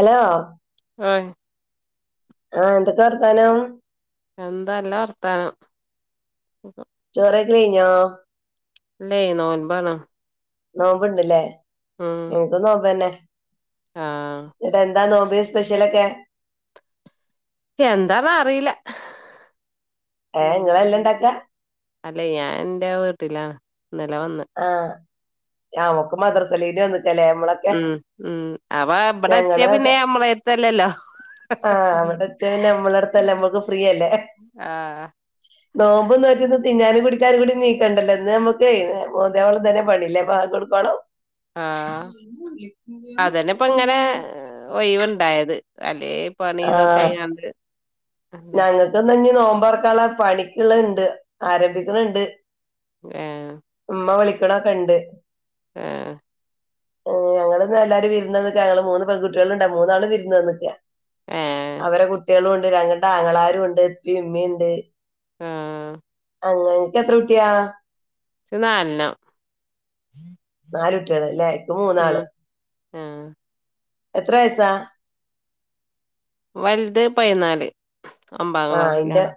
Hello ആ ആഹ എന്തൊക്കെ വർത്താനം എന്തല്ല വർത്താനം ചോറയ്ക്കല് കയ്ഞ്ഞോ ല്ലേ നോൽമ്പാണ് നോമ്പ്ണ്ടില്ലേ ഇൻക്കും നോമ്പന്നെ ആഹ് ഇനിടെ താ നോമ്പിന് സ്പെഷ്യലൊക്കെ എന്താന്നാറിയില്ല ഏഹ് ഉം നിങ്ങളെല്ലാം ഇണ്ടാക്കാ അല്ലെ ഞാൻ എൻന്റെ വീട്ടിലാണ് ന്നല വന്ന് ഞമക്ക് മദ്രസലീവിന് വന്ന് ഉം ഉം അവ എവിടെ എത്തിയായ പിന്നെ നമ്മള എത്തല്ലല്ലോ ആഹ അവിടെ എത്തിയ പിന്നെ നമ്മളട്ത്തല്ല നമ്മക്ക് ഫ്രീയല്ലേ ആഹ് നോമ്പ്ന്ന് നോറ്റ്ന്ന് തിന്നാനും കുടിക്കാനും കൂടി നീക്കണ്ടല്ലോ ഇന്ന് നമ്മക്ക് മോന്ത്യാവോളം ഇതന്നെ പണിില്ലേ ബാങ്കോട്കോളം ആഹ അതന്നെപ്പങ്ങനെ ഒയ് വ് ണ്ടായത് അല്ലേ പണി ഇതൊക്കെ ആയാണ്ട് ഞങ്ങൾക്ക് ന്ന്ഞ്ഞ് നോമ്പർക്കാള പണിക്ക്ള്ളെ ണ്ട് ആരംഭിക്കണിണ്ട് ഏഹ മ്മ വിളിക്ക്ണൊകണ്ട് ആഹ ഞങ്ങള് ന്ന് എല്ലാരും വിരുന്നത്ക്ക ഞങ്ങള് മൂന്ന് പെൺകുട്ടികൾുണ്ടാ മൂന്നാള് വിരുന്നത്ക്കാ ഏഹ് അവരെ കുട്ടികളും ഉണ്ട് ഞങ്ങള്ടെ ര ആങ്ങളാരും ണ്ട് ഇപ്പി ഇമ്മിുണ്ട് ആഹ അങ്ങനക്ക് എത്ര കുട്ടിയാ ഇച് നാലെണ്ണം നാല് കുട്ട്യേള് ലെ ഇക്ക് ഉം മൂന്നാള് ആഹ് എത്ര വയസാ വലുത് പതിനാല് ഒമ്പാം ക്ലാസ്സിലാണ്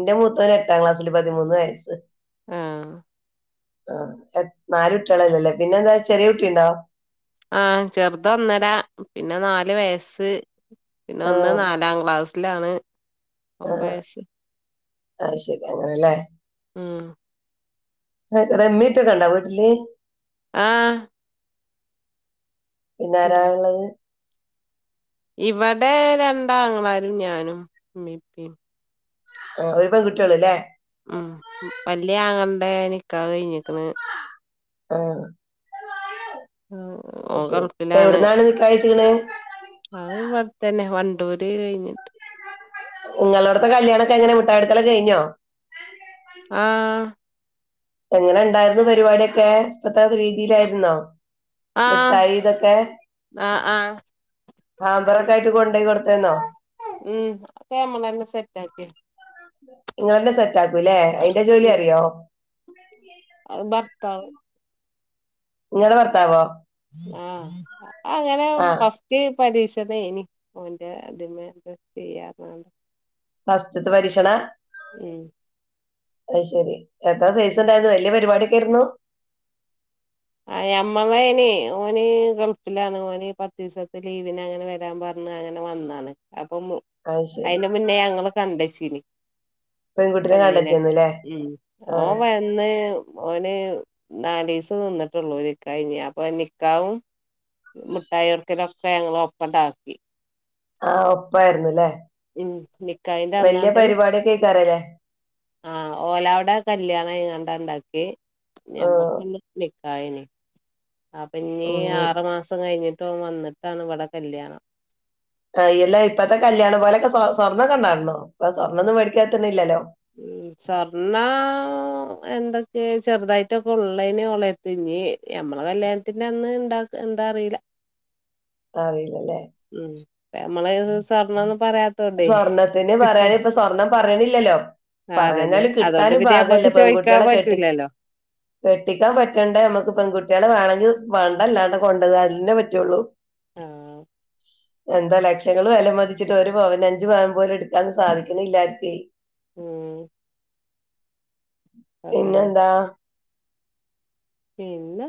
ന്റെ മൂതേന് എട്ടാം ക്ലാസ്സിൽ പതിമൂന്ന് വയസ്സ് ആഹ ആ എത് നാല് കുട്ട്യേളല്ലല്ലേ പിന്നെ എന്താ ചെറിയ കുട്ടിണ്ടോ ആഹ ചെറുതൊന്നര പിന്നെ നാല് വയസ്സ് പിന്നെ ഒന്ന് ആഹ് നാലാം ക്ലാസ്സിലാണ് ഒമ്പേയ്സ് ആഹ ശരി അങ്ങനെല്ലേ ഉം [unintelligible] വീട്ടില് ആഹ പിന്നെ ആരാള്ളത് ഇവിടെ രണ്ടാങ്ങളാരും ഞാനും ഇമ്മി ഇപ്പി ആഹ് ഒരു പെൺകുട്ടിയുള്ളൂ ല്ലേ അ വല്യ ആങ്ങളന്റെ നിക്കാഹ് കയിഞ്ഞ്ക്ക്ണ് ആഹ ഓ കറുപ്പിലാണ് നിക്കാഹ് അത് കഴിച്ച്ക്ക്ണ് തന്നെ വണ്ടൂര് കഴിഞ്ഞിട്ട് നിങ്ങളടത്തെ കല്യാണൊക്കെ എങ്ങനെ മുട്ട്ടായ കൊട്ക്കലൊക്കെ കഴിഞ്ഞോ ആഹ എങ്ങനെ ണ്ടായിരുന്നു പരിപാടിയൊക്കെ ഇപ്പത്തെ രീതിയിലായിരുന്നോ ആഹ് മിട്ടായി തക്കേ ആഹ് ആഹ് ആാമ്പറൊക്കായിട്ട് കൊണ്ടയി കൊടുതീന്നോ? ഉം ക്കെമ്മളെന്നെ സെറ്റ് ആക്കി ഇങ്ങളന്നെ സെറ്റാക്കൂല്ലേ? അയ്ന്റെ ജോലി ഉം അറിയോ? ത ങ്ങളെ ഭർത്താവോ ആഹ് അങ്ങനെ ആഹ് ഫസ്റ്റ് പരീക്ഷതേഞ്ഞി ഓന്റെ തിന് ത് [unintelligible] ഫസ്റ്റ്ത്ത പരീക്ഷണാ? ഉം അഹ് ശരി എത്രാ സൈസ്ണ്ടാരുന്നു വല്യ പരിപാഡ്യോക്കേര്ന്നു? ആയ് അമ്മളേനി ഓന് ഗൾഫിലാണ്. ഓന് പത്തീസത്തെ ലീവിന് അങ്ങനെ വരാം പർ ന്ന് അങ്ങനെ വന്നാണ്. അപ്പൊ അത് ശെരി അയിന്റെ മുന്നേ ഞങ്ങള് കണ്ടച്ചീഞ്ഞി. പെൺകുട്ടിനെ പെണ്ണിനൊക്കെ കണ്ടച്ചേന്നല്ലേ ഉം ഓൻ ആഹ് വന്ന് ഓന് നാലീസം നിന്ന്ട്ടൊള്ളൂ നിക്കാഹയ്ഞ്. അപ്പൊ നിക്കാവും മുഠായൊട്ക്കലൊ ക്കെ ഞങ്ങളൊപ്പണ്ട ആക്കി. ആഹ് ഒപ്പായിരുന്നു ലേ. ഉം നിക്കാഹിന്റെ വല്യ അന്നാണ്ട് പരിപാട്യൊക്കെക്കാരലേ ആഹ് ഓല വ്ടെ കല്യാണയിങ്ങാണ്ട ഇണ്ടാക്ക്യേ. ആഹ് ഞമ്മക്ക് [unintelligible] ക്കായിനി. അപ്പ ഞീ ഉം ആറു മാസം കഴിഞ്ഞ് ട്ടോൻ വന്നിട്ടാണ് ഇവടെ കല്യാണം. കയ്യുലേ. ഇപ്പത്തെ കല്യാണ പോലൊക്കെ സ്വ സ്വർണ്ണൊക്കണ്ടാൺല്ലോ ഇപ്പൊ സ്വർണ്ണൊന്നും മേടിക്കാ ക്കിന്നില്ലല്ലോ. ഉം സ്വർണ്ണാ എന്തൊക്കെ ചെറുതായിട്ടൊക്കെ ഒള്ളേനി ഓളെര്ത് ഇ ഞി ഞമ്മള കല്യാണത്തിന്റെ അന്ന് ഇണ്ടാക്ക എന്താ അറീല്ല. അറീല്ല ലേ. ഞമ്മളയ്ന്ന് സ്വർണൊന്നും സ്വർണത്തിന് പറയാന് ഇപ്പം സ്വർണം പറിണ്ല്ലലൊ ലൊ. ആ അതന്നെ പറ്യാഞ്ഞാല് അതുകൊണ്ട് കിട്ടാനും പിന്നെ പാഗല്ല നമ്മക്ക് ചോയിക്കാൻ പെൺകുട്ടിയേളെ കെട്ടി പറ്റൂലല്ലോ കെട്ടിക്കാൻ പറ്റണ്ടെ മക്ക് പെൺകുട്ടിയേളെ വേണങ്കിൽ പണ്ടല്ലാണ്ടാ കൊണ്ടോവ അ അന്നെ പറ്റൊള്ളൂ. ആഹ് എന്താ ലക്ഷങ്ങള് വെലമതിച്ചിട്ട് ഒരു പവന് അഞ്ചു പവൻ പോലും എടുക്കാൻന്ന് സാധിക്ക് ണ്ല്ലാര്ക്കേ ഉം പിന്നെന്താ? പിന്ന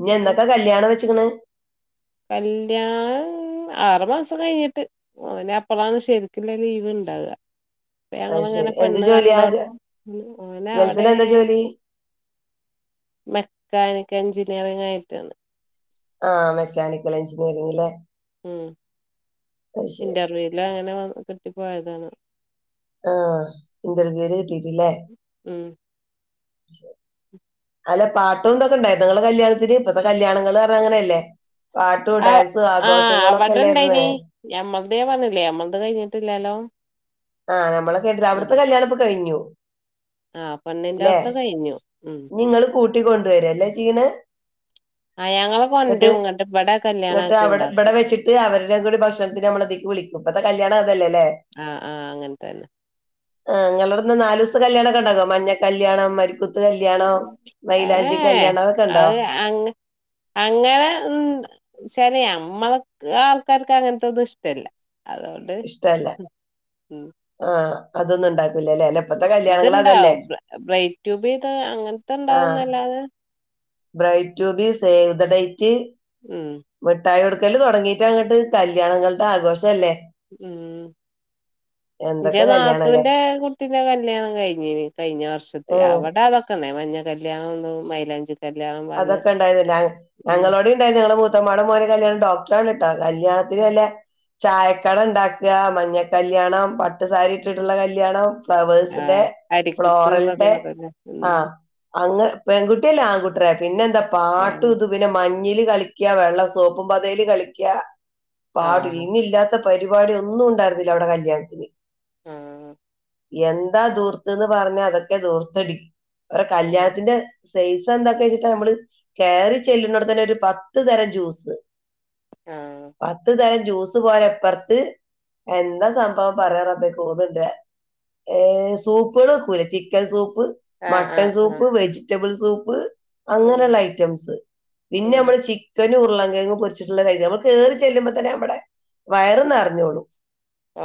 ഇഞ് എന്നക്ക കല്യാണം വെച്ച്ക്കണ്? കല്യാ [unintelligible] മ്ആറുമാസം. ഓന് അപ്പളാണ് ശരിക്കില്ല ലീവ് ഇണ്ടാവാ. അത് ഞങ്ങളിങ്ങനെ ശരി എന്ത് പെണ്ണ് ജോലിയാ കണ്ടോണ്ട് ഓനെ അവടെ ഗൾഫിൽ എന്താ ജോലി മെക്കാനിക് എന്ചിനീയറിങ്ങായിട്ട് ആ മെക്കാനിക്കൽ എഞ്ചിനീയറിങ് ലെ ഉം ഇന്റർവ്യൂലങ്ങനെ കിട്ടിപ്പോയതാണ് ആ ഇന്റർവ്യൂല് കിട്ടിട്ട്ല്ലേ ഉം അല്ല പാട്ടും തൊക്കെണ്ടായിര്ന്നൊ ങ്ങളെ കല്യാണത്തിന് ഇപ്പത്തെ കല്യാണങ്ങള്ന്ന് പർഞ അങ്ങനല്ലേ ആഹ് ആ അല്ലായിരുന്ന് അവടെണ്ടേയ്നി ഞമ്മള്ത് ഞാൻ പർഞ്ഞില്ലേ ഞമ്മളത് കയ്ഞ്ട്ട്ല്ലല്ലോ ആഹ് നമ്മളെ കെട്ടി അവ്ട്ത്തെ കല്യാണപ്പൊ കയ്ഞ്ഞു ആ പെണ്ണിന്റെ ല്ലെ അവിടുത്തെ കഴിഞ്ഞു ഉം ഇനി ങ്ങള് കൂട്ടിക്കൊണ്ടോരല്ലേ ചെയ്യ്ണത് ആ ഞങ്ങള് ന്ന്ട്ട് കൊണ്ടരും ഇങ്ങട്ട് ഇവിടെ കല്യാണം ന്ന്ട്ട് ആക്കി അവടെ ഇവടെ ഇണ്ടാക്കും വെച്ച്ട്ട് അവരുടേം കൂടെ ഭക്ഷണത്തിന്ന് നമ്മളിതിക് വിളി ഇപ്പത്തെ കല്യാണ ആ ആ അങ്ങൻത്തെന്നെ ആ ങ്ങളോട്ന്ന് നാലുസ്ത്തെ കല്യാണക്കെണ്ടാവോ മഞ്ഞ കല്യാണം മര് ഉം ഏ ഏ കല്യാണം അതൊക്കെ അ ഉണ്ടോ അത് അങ് അങ്ങനെ ഉ ച്ചാൽ നമ്മൾ ആൾക്കാർക്ക് അങ്ങനത്തെന്നും ഇഷ്ടല്ല അതൊണ്ട് ഇഷ്ടല്ല ആ അതൊന്ന ഇണ്ടാക്ക ഇത്ണ്ടാവും ബ്രൈറ്റൂബി ത് അങ്ങനത്തെ ഇണ്ടാവും ന്നല്ലാതെ ബ്രൈറ്റ്ബി സേവ് ത ടൈറ്റ് ഉം മിഠായി കൊടുക്ക ക്കല് തുടങ്ങയിട്ട് അങ്ങോട്ട് കല്യാണങ്ങളുടെ ആഘോഷം അല്ലേ ഉം എ എൻറെ നാത്തുവിന്റെ കുട്ടീന്റെ കല്യാണം കഴിന്നീൻ കഴിഞ്ഞ വർഷത്തിൽ ഏഹ് അവിടെഅധോക്കെ ഉണ്ടയിനു മഞ്ഞ കല്യാണം തും മൈലാഞ്ചി കല്യാണം പറഞ്ഞ് അതൊക്കെ ഉണ്ടായിന്ന്ല്ലേ ഉം ഞങ്ങളോഡിം ഉണ്ടായിരുന്നു നങ്ങളെ മൂത്തമ്മടെ മോന്റെ കല്യാണം ഡോക്ടറണ് കല്യാണത്തിന് വല്ല ചായക്കട ഉണ്ടാക മഞ്ഞ കല്യാണം പട്ട് ട്ട് സാരി ഇട്ടിട്ടുള്ള കല്യാണം ഫ്ലവേഴ്സിന്റെ ആഹ് അരിക്കുത്ത് എന്നൊക്കെ ഫ്ലോറലന്റെ പറഞ്ഞില്ലേ അ ഉം അങ് പെൺകുട്ടിയല്ല ആൺകുട്ടി ത്ര പിന്നെ എന്താ പാട്ടു ആഹ് ഇതു പിന്നെ മഞ്ഞില് കളിക്കാ വെള്ളം സോപ്പും പതയില് കളിക്കാ പാട ആഹ് ഇനി ഇല്ലാത്ത പരിപാടി ഒന്നും ഉണ്ടായിരുന്നില്ല അവിടെ കല്യാണത്തിന് ആ എന്താദുർത്ത്ന്ന് പറഞ്ഞാ അതൊക്കെ ദൂർത്തടി അവരെ ആഹ് കല്യാണത്തിന്റെ സൈസ് എന്തൊക്ക ച്ചിട്ട് നമ്മള് കയറി ചെല്ലുനോട്തന്നെ ഒരു പത്ത് തരം ജ്യൂസ് ആഹ് പത്ത്തരം ജ്യൂസ് പോര ഇപ്പറത്ത് എന്താ സംഭവം പറയാറബ്ബേ [unintelligible] ണ്ട് ഏ സൂപ്പുകൾ വക്കൂല ചിക്കൻ സൂപ്പ് പ്പ് ആഹ് ആഹ് മട്ടൺ ആഹ് ആഹ് സൂപ്പ് വെജിറ്റബിൾ സൂപ്പ് ഉം അങ്ങനെയുള്ള ഐറ്റംസ് പിന്നെ ഉം നമ്മള് ചിക്കൻ ഉരുളങ്കങ്ങ് പൊരിച്ചിട്ടുള്ള കയ് നമ്മൾ കേറി ചെല്ലുമ്പോ തന്നെ അവിടെ വയർ നരന്നോളും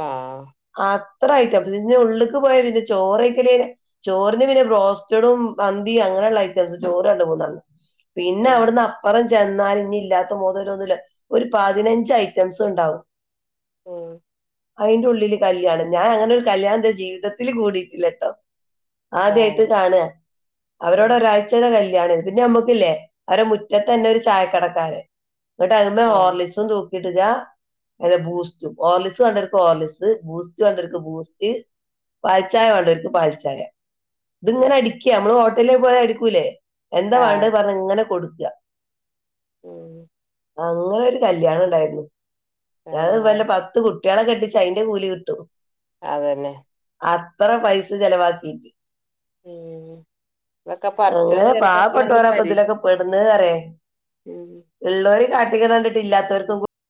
ആഹ് ആ ത്ര ഐറ്റംസ് ഇന്നി ഉള്ളിക്ക് പോയാൽ പിന്നെ ചോറക്കലെർ ചോറിന് പിന്നെ ബ്രോസ്റ്റഡും മന്തിയും അങ്ങനെ ങനെള്ള ഐറ്റംസ് ചോറ് രണ്ട് മുന്നണം പിന്നെ ഉം അവിടുന്ന് അപ്പറംചോറ ചെന്നാൽ ഇനി ഇല്ലാത്ത മുതലൊന്നുമില്ല ഒരു പതിനഞ്ച് ഐറ്റംസ് ഉണ്ടാവും ഉം അയിന്റെ ഉള്ളില് കല്യാണം ഞാൻ അങ്ങനെരു കല്യാണം എന്റെ ജീവിതത്തിൽ കൂടിട്ടില്ലെട്ടോ ആദ്യായിട്ട് ആഹ് കാണ അവരോടെ ഉം ഒരാഴ്ചയുടെ കല് കല്യാണം പിന്നെ നമ്മക്കില്ലേ അവ മുറ്റത്ത് തന്നെ ഒരു ചായ കടക്കാരൻ എന്നിട്ട് അഹ് മേ ആഹ് ഹോർലിക്സും തൂകി ക്കിട്ടക ൽ ബൂസ്റ്റ് ഓർലിസ് വേണ്ടൽക് ഓർലിസ് ബൂസ്റ്റ് വേണ്ടോൽ ക്കു ബൂസ്റ്റ് പാൽചായ വണ്ടർക്ക് പാൽചായ ഉം ഇത്ങ്ങനെ അടിക്ക നമ്മള് ഹോട്ടലേ പോയൽ അടിക്കൂലേ എന്താ ആഹ് വേണ്ടത് പറഞ്ഞ ഇങ്ങനെ കൊടുക്കും ക്ക ഉം അങ്ങനെ ഒരു കല്യാണം ഉണ്ടായിരുന്നു എന്തലും ആഹ് വല്ല പത്ത് കുട്ടി കുട്ടികളെ കെട്ടിച്ച അതിന്റെ കൂലി കിട്ടു അതന്നെ അത്ര പൈസ ചെലവാക്കിയിട്ട് ഉം എന്ധോക്കെ പടച്ചോൻ റ്റെ പാവ പെട്ടവരൊക്കെ ഇതിലൊക്കെ പെടുന്നേ റിയ ഉം ഉള്ളോർ കാട്ട്ക്ണ കണ്ടിട്ടില്ലാത്തോർക്കും